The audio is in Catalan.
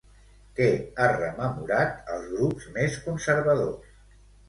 Què ha rememorat als grups més conservadors?